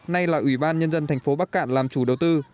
nay là ủy ban nhân dân thành phố bắc cạn làm chủ đầu tư